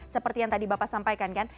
seperti yang tadi bapak sampaikan kan